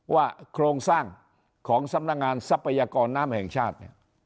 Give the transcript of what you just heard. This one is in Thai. โครงสร้างของสำนักงานทรัพยากรน้ำแห่งชาติเนี่ย